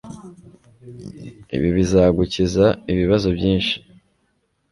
ibi bizagukiza ibibazo byinshi